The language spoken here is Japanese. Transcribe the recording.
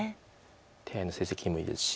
手合の成績もいいですし。